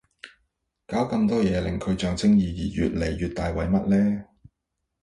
搞咁多嘢令佢象徵意義越嚟越大為乜呢